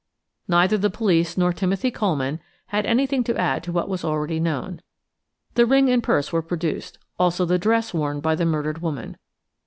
Neither the police nor Timothy Coleman had anything to add to what was already known. The ring and purse were produced, also the dress worn by the murdered woman.